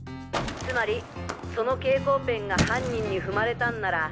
つまりその蛍光ペンが犯人に踏まれたんなら